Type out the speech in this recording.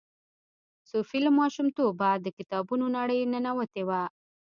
صوفي له ماشومتوبه د کتابونو نړۍ ننوتې وه.